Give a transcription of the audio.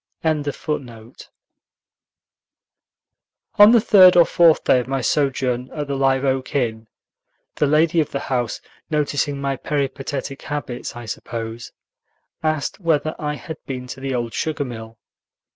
] On the third or fourth day of my sojourn at the Live Oak Inn, the lady of the house, noticing my peripatetic habits, I suppose, asked whether I had been to the old sugar mill.